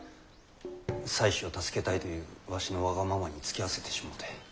妻子を助けたいというわしのわがままにつきあわせてしもうて。